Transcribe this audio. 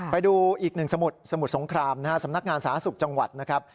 ไปดูอีกหนึ่งสมุดสมุทรสงครามนะฮะสำนักงานสาธารณสุขจังหวัดนะครับ